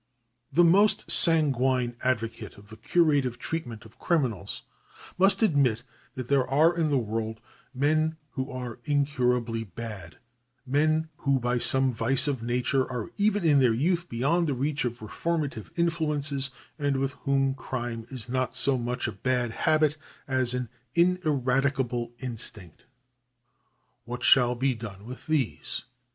The most sanguine advocate of the curative treatment of criminals must admit that there are in the world men who are incurably bad, men who by some vice of nature are even in their youth beyond the reach of reforma tive influences, and with whom crime is not so much a bad habit as an ineradicable instinct. What shall be done with these